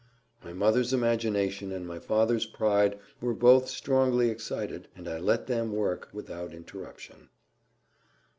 My mother's imagination, and my father's pride, were both strongly excited; and I let them work without interruption.